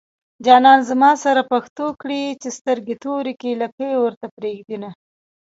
جانان زما سره پښتو کړي چې سترګې توري کړي لکۍ ورته پرېږدينه